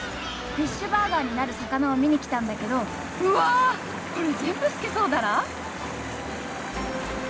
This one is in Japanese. フィッシュバーガーになる魚を見に来たんだけど。うわ！これ全部スケソウダラ！？